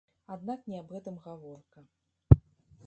Аднак не аб гэтым гаворка.